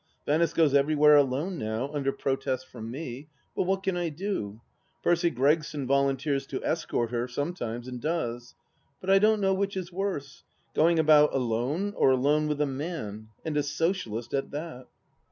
Venice goes everywhere alone, now, \mder protest from me ; but what can I do ? Percy Gregson volunteers to escort her, some times, and does ; but I don't know which is worse, going about alone or alone with a man — and a Socialist at that